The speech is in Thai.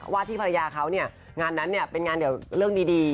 ว่าที่ภรรยาเขาเนี่ยงานนั้นเนี่ยเป็นงานเดียวเรื่องดี